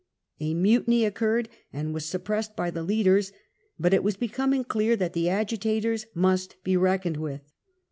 A mutiny occurred and was suppressed by the leaders, but it was becoming clear that the Agitators must be reckoned with.